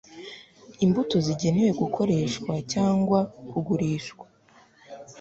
imbuto zigenewe gukoreshwa cyangwa kugurishwa